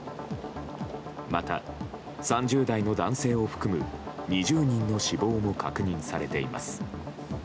また、３０代の男性を含む２０人の死亡も確認されています。